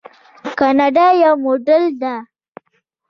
کاناډا یو موډل دی.